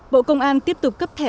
bộ công an tiếp tục cấp thẻ